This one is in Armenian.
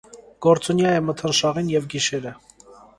Գործունյա է մթնշաղին և գիշերը։